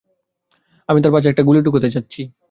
আমি তার পাছায় একটা গুলি ঢুকাতে যাচ্ছি।